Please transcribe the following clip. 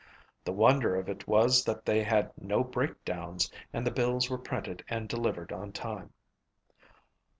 The wonder of it was that they had no breakdowns and the bills were printed and delivered on time.